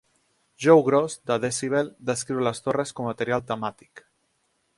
Joe Gross de "Decibel" descriu les torres com a material "temàtic".